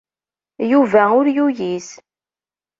Yuba ur yuyis.